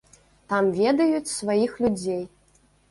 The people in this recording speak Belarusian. Там ведаюць сваіх людзей.